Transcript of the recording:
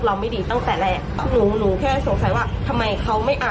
เขาเลยไม่สงสัยกับลูก